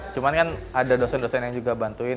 cuma kan ada dosen dosen yang juga bantuin